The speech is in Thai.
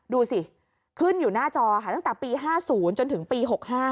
ดูสิขึ้นอยู่หน้าจอค่ะตั้งแต่ปี๕๐จนถึงปี๖๕